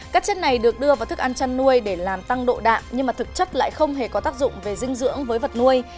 các chất này được đưa vào thức ăn chăn nuôi để làm tăng độ đạm nhưng mà thực chất lại không hề có tác dụng về dinh dưỡng với vật nuôi